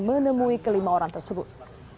menemui kelima orang tersebut